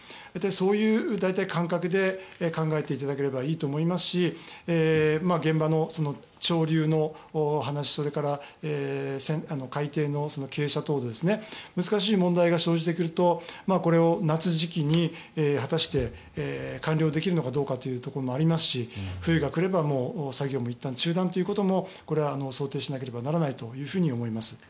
そういう感覚で考えていただければいいと思いますし現場の潮流の話それから海底の傾斜等で難しい問題が生じてくるとこれを夏時期に果たして完了できるのかどうかというところもありますし冬が来ればもう作業もいったん中断ということもこれは想定しなければならないと思います。